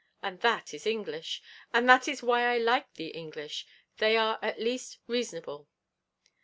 And that is English. And that is why I like the English; they are at least reasonable.'